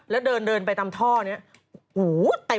แล้วเดินไปตามท่อเห็นเนี้ย